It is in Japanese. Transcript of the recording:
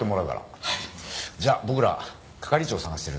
じゃあ僕ら係長捜してるんで。